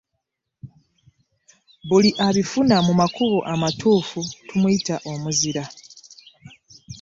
Buli abifuna mu makubo amatuuufu tumuyita omuzira .